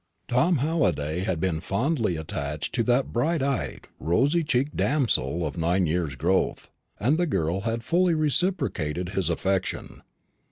Tom Halliday had been fondly attached to that bright eyed, rosy cheeked damsel of nine years' growth, and the girl had fully reciprocated his affection.